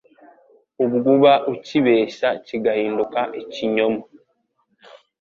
Ubwo uba ucyibeshya kigahinduka ikinyoma.